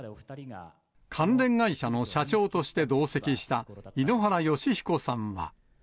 関連会社の社長として同席した、井ノ原快彦さんは。